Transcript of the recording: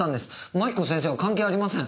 槙子先生は関係ありません。